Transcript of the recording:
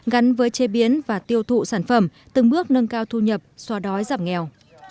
gắn với chế biến và tiêu thụ sản phẩm từng bước nâng cao thu nhập xóa đói giảm nghèo